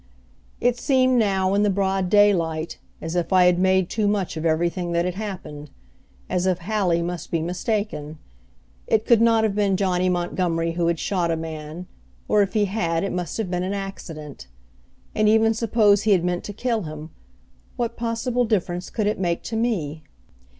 It seemed now, in the broad daylight, as if I had made too much of everything that had happened; as if Hallie must be mistaken. It could not have been Johnny Montgomery who had shot a man, or, if he had, it must have been an accident. And, even suppose he had meant to kill him, what possible difference could it make to me?